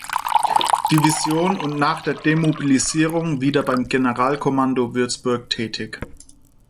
Division und nach der Demobilisierung wieder beim Generalkommando Würzburg tätig.